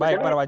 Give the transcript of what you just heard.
baik pak warjo